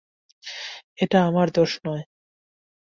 এটা আমার দোষ নয়।